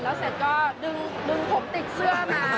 แล้วเสร็จก็ดึงเด็กโดนเอ้ยดึงผมติดเสื้อมา